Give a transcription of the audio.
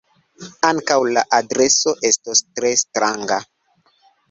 Ankaŭ la adreso estos tre stranga.